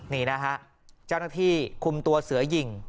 นี่นะฮะเจ้าหน้าที่คุมตัวเสือหญิง